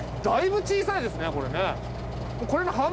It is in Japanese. だいぶ小さいですねこれね。